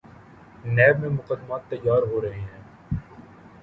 NAB میں مقدمات تیار ہو رہے ہیں۔